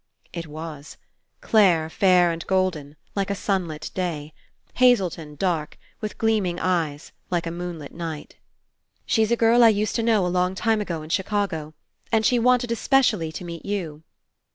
It was. Clare fair and golden, like a sunlit day. Hazelton dark, with gleaming eyes, like a moonlit night. 137 PASSING "She's a girl I used to know a long time ago In Chicago. And she wanted especially to meet you."